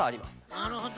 なるほど。